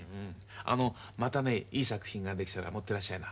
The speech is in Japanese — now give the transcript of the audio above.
あのまたねいい作品が出来たら持ってらっしゃいな。